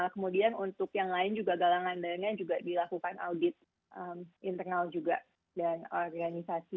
kemudian untuk yang lain juga galangan dana juga dilakukan audit internal juga dan organisasi